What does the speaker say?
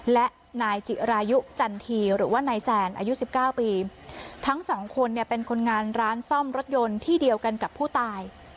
และนายจิรายุจันทีหรือว่านายแซนอายุสิบเก้าปีทั้งสองคนเนี่ยเป็นคนงานร้านซ่อมรถยนต์ที่เดียวกันกับผู้ตาย